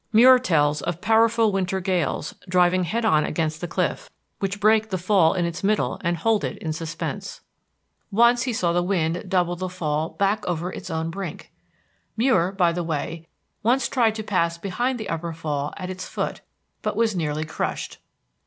Muir tells of powerful winter gales driving head on against the cliff, which break the fall in its middle and hold it in suspense. Once he saw the wind double the fall back over its own brink. Muir, by the way, once tried to pass behind the Upper Fall at its foot, but was nearly crushed.